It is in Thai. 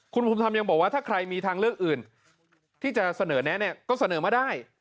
คุณภูมิธรรมยังบอกว่าถ้าใครมีทางเลือกอื่นที่จะเสนอแนะเนี่ยก็เสนอมาได้